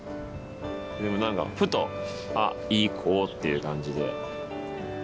でもなんかふとあっ行こうっていう感じで。